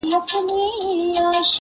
نو دوى ته بښنه كوه